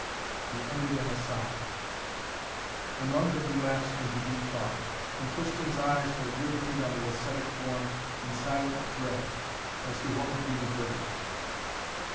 He ended in a sob. The monk had relapsed into deep thought, and Tristan's eyes were riveted on the ascetic form in silent dread, as to what would be the verdict.